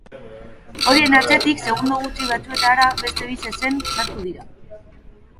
Horien atzetik, segundo gutxi batzuetara, beste bi zezen sartu dira.